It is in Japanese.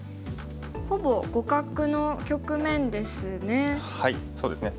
ほぼ互角の局面ですね。